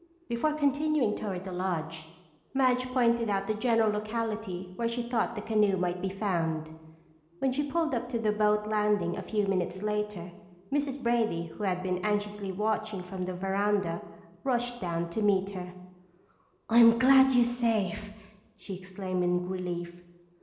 Before continuing toward the lodge, Madge pointed out the general locality where she thought the canoe might be found. When she pulled up to the boat landing a few minutes later, Mrs. Brady, who had been anxiously watching from the veranda, rushed down to meet her. "I'm glad you're safe!" she exclaimed in relief.